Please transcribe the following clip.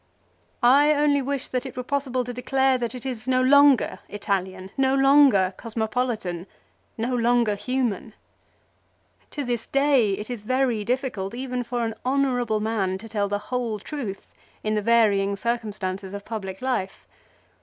I only wish that it were possible to declare that 1 Ca. xiv. z Ca. xviii. HIS RETURN FROM EXILE. 33 it is no longer Italian, no longer cosmopolitan, no longer human. To this day it is very difficult even for an honour able man to tell the whole truth in the varying circumstances of public life.